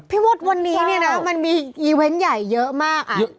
มดวันนี้เนี่ยนะมันมีอีเวนต์ใหญ่เยอะมาก